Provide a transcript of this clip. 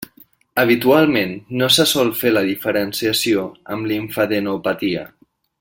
Habitualment no se sol fer la diferenciació amb limfadenopatia.